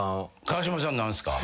川島さん何すか？